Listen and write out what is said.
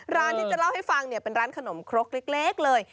ร้านที่จะเล่าให้ฟังเนี่ยเป็นร้านขนมครกเล็กเลย